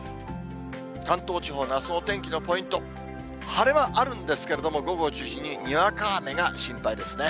関東地方のあすの天気のポイント、晴れ間あるんですけれども、午後を中心ににわか雨が心配ですね。